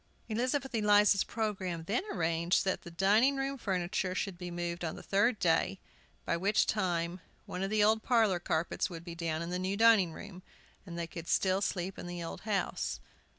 Elizabeth Eliza's programme then arranged that the dining room furniture should be moved the third day, by which time one of the old parlor carpets would be down in the new dining room, and they could still sleep in the old house.